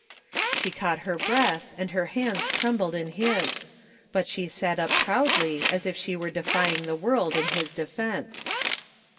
'' She caught her breath and her hands trembled in his, but she sat up proudly as if she were defying the world in his defence.